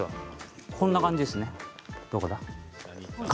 こんな感じですね。